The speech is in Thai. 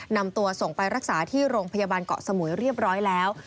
นำตัวส่งไปรักษาที่โรงพยาบาลเกาะสมุยเรียบร้อยแล้ว